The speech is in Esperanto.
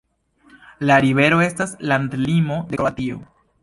La rivero estas landlimo de Kroatio.